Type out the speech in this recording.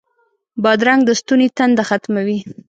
بادرنګ د ستوني تنده ختموي.